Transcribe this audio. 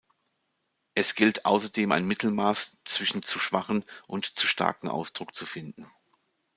Es gilt außerdem ein Mittelmaß zwischen zu schwachen und zu starken Ausdruck zu finden.